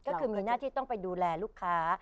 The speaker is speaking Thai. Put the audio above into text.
ก็คือมีหน้าที่ต้องไปดูแลลูกค้า